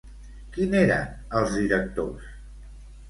Qui n'eren els directors?